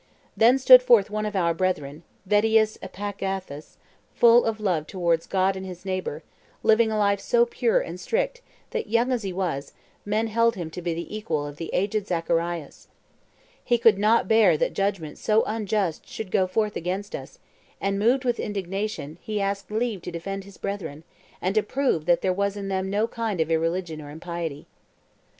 Then stood forth one of our brethren, Vettius Epagathus, full of love towards God and his neighbor, living a life so pure and strict that, young as he was, men held him to be the equal of the aged Zacharias. He could not bear that judgment so unjust should go forth against us, and, moved with indignation, he asked leave to defend his brethren, and to prove that there was in them no kind of irreligion or impiety.